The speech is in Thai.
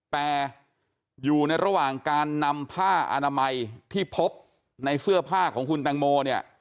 แต่อยู่ในระหว่างการนำผ้าอนามัยที่พบในเสื้อผ้าของคุณแตงโมเนี่ย